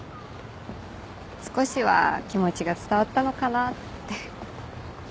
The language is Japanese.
少しは気持ちが伝わったのかなって。